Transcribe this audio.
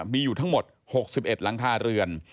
มีอยู่ทั้งหมด๖๑หลังคาเรือน